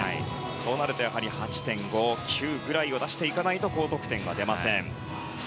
そうなるとやはり８．５９ぐらいを出していかないと高得点は出ません。